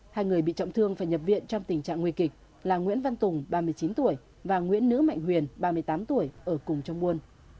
hai người bị trọng thương phải nhập viện trong tình trạng nguy kịch là nguyễn văn tùng ba mươi chín tuổi và nguyễn nữ mạnh huyền ba mươi tám tuổi ở cùng trong buôn